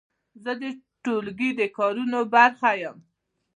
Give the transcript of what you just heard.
زه د ټولګي د کارونو برخه یم.